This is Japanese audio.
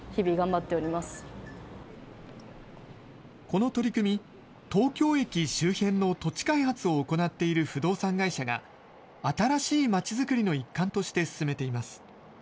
この取り組み、東京駅周辺の土地開発を行っている不動産会社が、新しい街づくりの一環として進めています。